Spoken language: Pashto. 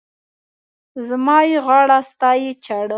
زما يې غاړه، ستا يې چاړه.